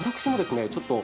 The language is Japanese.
私もですね